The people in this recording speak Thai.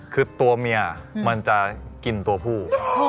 คือตัวเมียมันจะกินตัวผู้